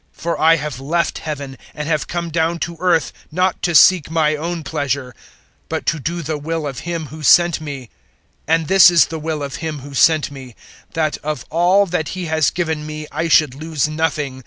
006:038 For I have left Heaven and have come down to earth not to seek my own pleasure, but to do the will of Him who sent me. 006:039 And this is the will of Him who sent me, that of all that He has given me I should lose nothing, but should raise it to life on the last day.